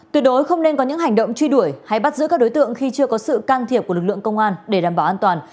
tuyệt đối không nên có những hành động truy đuổi hay bắt giữ các đối tượng khi chưa có sự can thiệp của lực lượng công an để đảm bảo an toàn